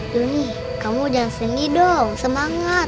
duni kamu jangan senyum doh semangat